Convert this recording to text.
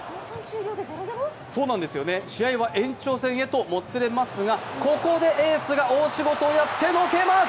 試合は延長戦へともつれますがここでエースが大仕事をやってのけます。